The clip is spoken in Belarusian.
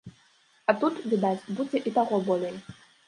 А тут, відаць, будзе і таго болей.